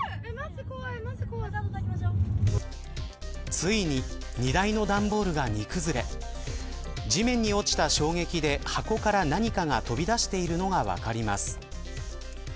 ついに荷台の段ボールが崩れ地面に落ちた衝撃で箱から何かが飛び出しているのが分かります。